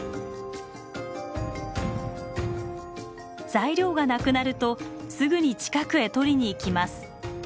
材料がなくなるとすぐに近くへ取りに行きます。